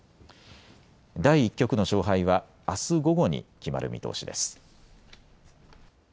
第１局の勝敗はあす午後に決まる見通しです。